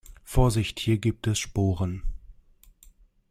Vorsicht, hier gibt es Sporen.